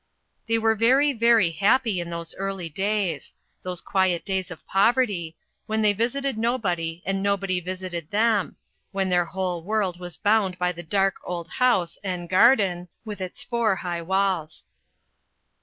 They were very, very happy in those early days those quiet days of poverty; when they visited nobody, and nobody visited them; when their whole world was bounded by the dark old house and the garden, with its four high walls.